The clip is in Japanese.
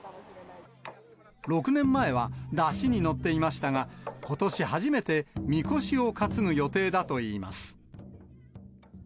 ６年前は山車に乗っていましたが、ことし初めて、みこしを担ぐ予定だといいます。